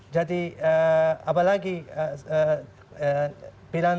jadi apalagi pilihan dua ribu sembilan belas